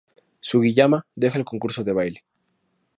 Sugiyama deja el concurso de baile.